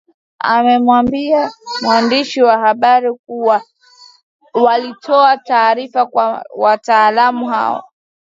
amewambia waandishi wa habari kuwa walitoa taarifa kwa wataalam hao